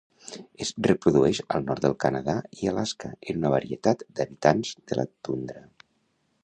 Es reprodueix al nord del Canadà i Alaska en una varietat d'hàbitats de la tundra.